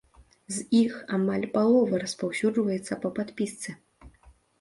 З іх амаль палова распаўсюджваецца па падпісцы.